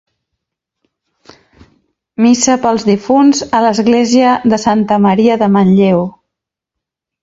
Missa pels difunts a l'església de Santa Maria de Manlleu.